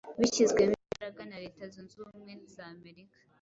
bishyizwemo imbaraga na Leta zunze ubumwe za Amerika,